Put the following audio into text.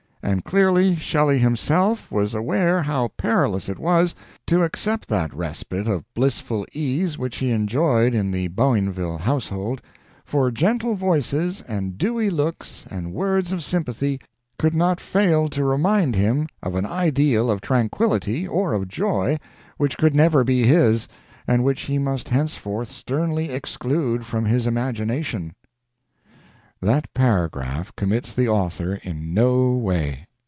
And clearly Shelley himself was aware how perilous it was to accept that respite of blissful ease which he enjoyed in the Boinville household; for gentle voices and dewy looks and words of sympathy could not fail to remind him of an ideal of tranquillity or of joy which could never be his, and which he must henceforth sternly exclude from his imagination." That paragraph commits the author in no way.